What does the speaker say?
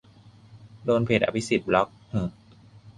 โดนเพจอภิสิทธิ์บล็อค หึ